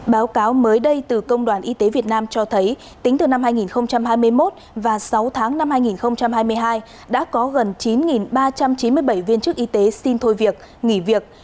báo cáo mới đây từ công đoàn y tế việt nam cho thấy tính từ năm hai nghìn hai mươi một và sáu tháng năm hai nghìn hai mươi hai đã có gần chín ba trăm chín mươi bảy viên chức y tế xin thôi việc nghỉ việc